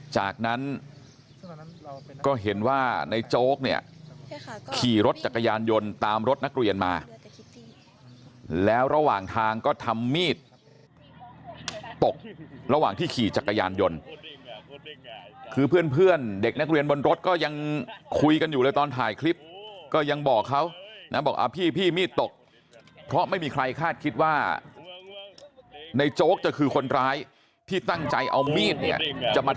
จากนั้นก็เห็นว่าในโจ๊กเนี่ยขี่รถจักรยานยนต์ตามรถนักเรียนมาแล้วระหว่างทางก็ทำมีดตกระหว่างที่ขี่จักรยานยนต์คือเพื่อนเด็กนักเรียนบนรถก็ยังคุยกันอยู่เลยตอนถ่ายคลิปก็ยังบอกเขานะบอกพี่มีดตกเพราะไม่มีใครคาดคิดว่าในโจ๊กจะคือคนร้ายที่ตั้งใจเอามีดเนี่ยจะมา